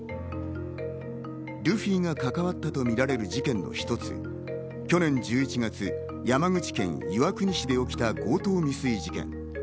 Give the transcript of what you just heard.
ルフィが関わったとみられる事件の１つ、去年１１月、山口県岩国市で起きた強盗未遂事件。